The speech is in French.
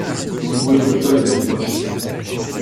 Où est l’hôpital le plus proche ?